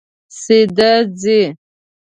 سیده ځئ